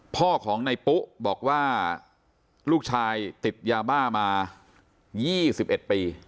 พ่อของนายปุ๊ะบอกว่าลูกชายติดยาบ้ามายี่สิบเอ็ดปี